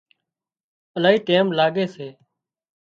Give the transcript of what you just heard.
الاهي ٽيم لاڳي سي